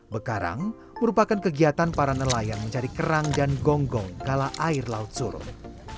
bekarang merupakan kegiatan para nelayan mencari kerang dan gonggong kala air laut surut